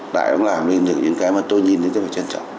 đại ông làm nên những cái mà tôi nhìn thấy rất là trân trọng